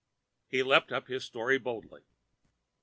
He leaped at his story boldly.